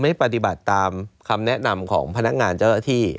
ไม่ปฏิบัติตามคำแนะนำของพนักงานเจ้าหน้าที่